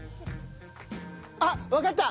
あっわかった！